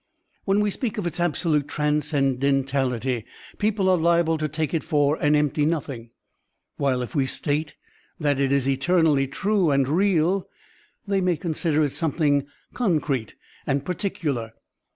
When we speak of its absolute transcendentality, people are liable to take it for an empty nothing; while if we state that it is eternally true and real, they may consider it something concrete ahd particular.